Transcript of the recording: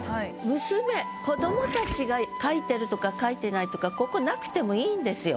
「娘」子供たちが書いてるとか書いてないとかここなくても良いんですよ。